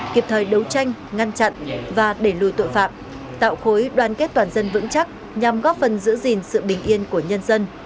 kịp thời đấu tranh ngăn chặn và đẩy lùi tội phạm tạo khối đoàn kết toàn dân vững chắc nhằm góp phần giữ gìn sự bình yên của nhân dân